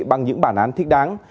bằng những bản án thích đáng